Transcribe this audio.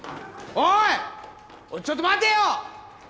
おいちょっと待てよ！